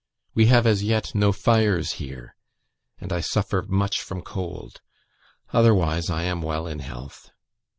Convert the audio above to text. We have as yet no fires here, and I suffer much from cold; otherwise, I am well in health.